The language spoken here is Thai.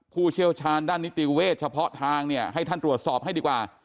ผู้เชี่ยวชาญด้านนิติเวชเฉพาะทางเนี่ยให้ท่านตรวจสอบให้ดีกว่า